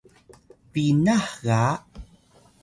binah ga